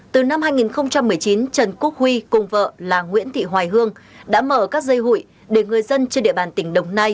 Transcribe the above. từ năm hai nghìn một mươi chín trần quốc huy cùng vợ là nguyễn thị hoài hương đã mở các dây hụi để người dân trên địa bàn tỉnh đồng nai